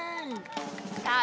さあ